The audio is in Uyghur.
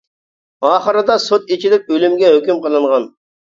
ئاخىرىدا سوت ئېچىلىپ ئۆلۈمگە ھۆكۈم قىلىنغان.